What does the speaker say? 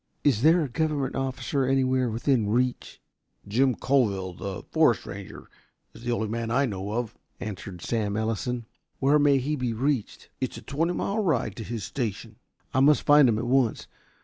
Is there a government officer anywhere within reach?" "Jim Coville, the forest ranger, is the only man I know of," answered Sam Ellison. "Where may he be reached?" "It's a twenty mile ride to his station." "I must find him at once.